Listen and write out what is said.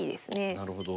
なるほど。